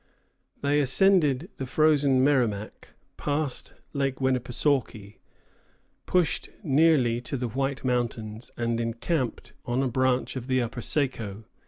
They ascended the frozen Merrimac, passed Lake Winnepesaukee, pushed nearly to the White Mountains, and encamped on a branch of the upper Saco.